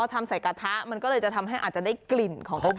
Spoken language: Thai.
ทำใส่กระทะมันก็เลยจะทำให้อาจจะได้กลิ่นของกระทะ